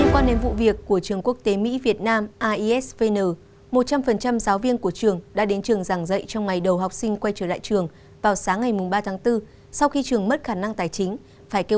các bạn hãy đăng ký kênh để ủng hộ kênh của chúng mình nhé